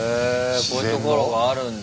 こういうところがあるんだ。